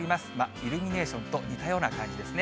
イルミネーションと似たような感じですね。